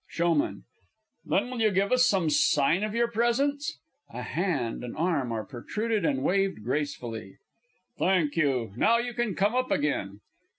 SHOWMAN. Then will you give us some sign of your presence? (a hand and arm are protruded and waved gracefully). Thank you. Now you can come up again.